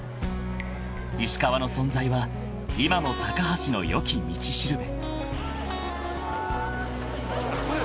［石川の存在は今も橋のよき道しるべ］